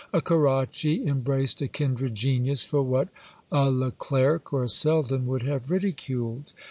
A Carracci embraced a kindred genius for what a Le Clerc or a Selden would have ridiculed.